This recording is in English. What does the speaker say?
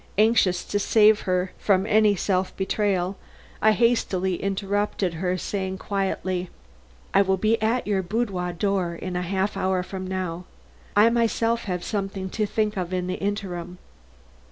Anxious to save her from any self betrayal, I hastily interrupted her, saying quietly: "I will be at your boudoir door in a half hour from now. I myself have something to think of in the interim."